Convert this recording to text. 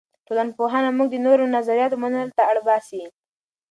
ټولنپوهنه موږ ته د نورو نظریاتو منلو ته اړ باسي.